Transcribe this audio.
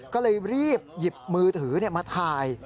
ก็เลยรีบหยิบมือถือมาถ่าย